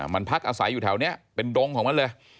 มันพักอาศัยอยู่แถวนี้เป็นดงของมันเลย